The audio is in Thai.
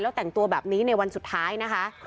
แล้วแต่งตัวแบบนี้ในวันสุดท้ายนะคะ